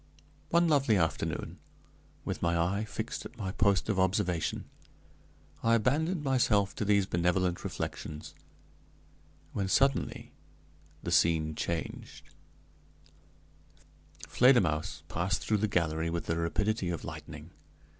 One lovely afternoon, with my eye fixed at my post of observation, I abandoned myself to these benevolent reflections, when suddenly the scene changed: Fledermausse passed through the gallery with the rapidity of lightning.